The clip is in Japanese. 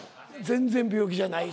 全然病気じゃない。